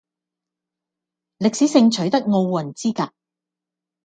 歷史性取得奧運資格